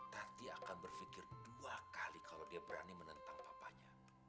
nanti akan berpikir dua kali kalau dia berani menentang papanya